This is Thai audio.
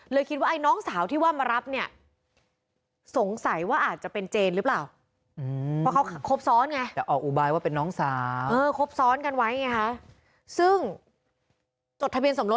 คิดว่าไอ้น้องสาวที่ว่ามารับเนี่ยสงสัยว่าอาจจะเป็นเจนหรือเปล่า